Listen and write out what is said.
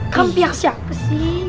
kamu pihak siapa sih